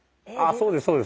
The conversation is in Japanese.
そうですそうです。